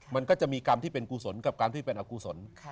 มันก็จะมีกรรมที่เป็นกุศลกับการที่เป็นอกุศล